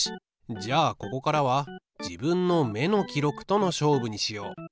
じゃあここからは自分の目の記録との勝負にしよう。